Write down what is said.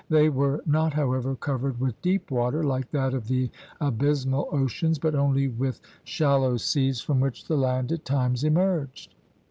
They were not, however, covered with deep water like that of the abysmal oceans, but only with shallow seas from which the land at times emerged.